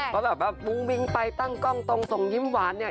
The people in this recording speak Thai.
เพราะแบบวิ่งไปตั้งกล้องตรงส่งยิ้มหวานเนี่ย